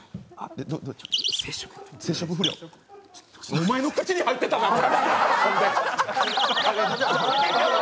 お前の口に入ってたやつ。